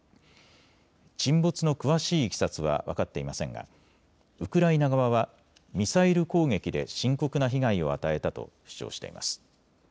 沈没の詳しいいきさつは分かっていませんがウクライナ側はミサイル攻撃で深刻な被害を与えたと主張しています。